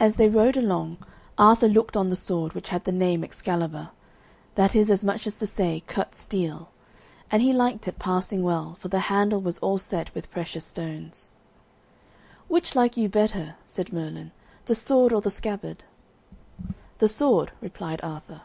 As they rode along Arthur looked on the sword, which had the name Excalibur, that is as much as to say Cut steel, and he liked it passing well, for the handle was all set with precious stones. "Which like you better," said Merlin, "the sword or the scabbard?" "The sword," replied Arthur.